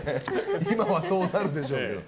今はそうなるでしょうね。